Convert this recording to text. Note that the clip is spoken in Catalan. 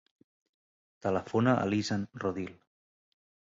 Telefona a l'Izan Rodil.